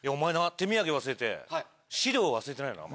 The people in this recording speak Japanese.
手土産忘れて資料忘れてないよな？